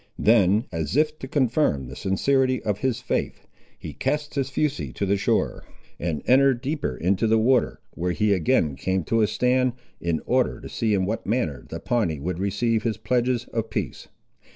Then, as if to confirm the sincerity of his faith, he cast his fusee to the shore, and entered deeper into the water, where he again came to a stand, in order to see in what manner the Pawnee would receive his pledges of peace.